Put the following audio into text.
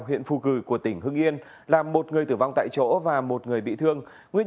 huyện phù cử của tỉnh hưng yên làm một người tử vong tại chỗ và một người bị thương